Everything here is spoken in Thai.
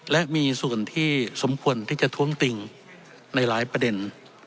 และมีส่วนที่สมควรที่จะท้วงติงในหลายประเด็น